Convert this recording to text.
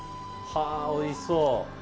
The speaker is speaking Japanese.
おいしそう。